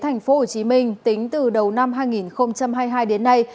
tổng thống y tế tp hcm tính từ đầu năm hai nghìn hai mươi hai đến nay